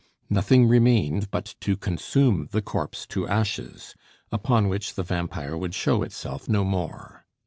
Nothing remained but to consume the corpse to ashes, upon which the vampire would show itself no more.